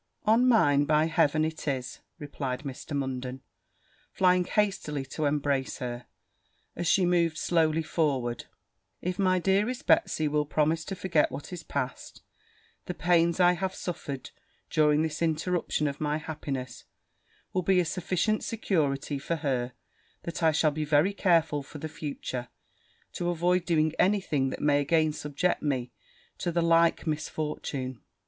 'On mine, by Heaven, it is!' replied Mr. Munden, flying hastily to embrace her, as she moved slowly forward; 'if my dearest Betsy will promise to forget what is past, the pains I have suffered, during this interruption of my happiness, will be a sufficient security for her, that I shall be very careful for the future to avoid doing any thing that may again subject me to the like misfortune.'